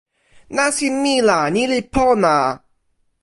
nasin mi la ni li pona.